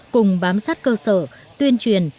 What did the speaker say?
cùng bám sát cơ sở tuyên truyền